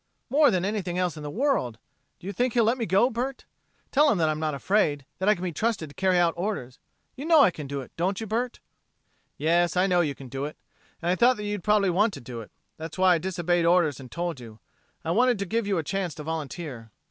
"More than anything else in the world. Do you think he will let me go, Bert? Tell him that I'm not afraid that I can be trusted to carry out orders. You know I can do it, don't you, Bert?" "Yes, I know you can do it. And I thought that you'd probably want to do it. That's why I disobeyed orders and told you. I wanted to give you the chance to volunteer."